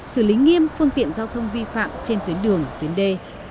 xử lý nghiêm phương tiện giao thông vi phạm trên tuyến đường tuyến đê